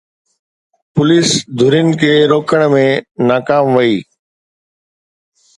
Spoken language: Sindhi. پوليس ڌرين کي روڪڻ ۾ ناڪام وئي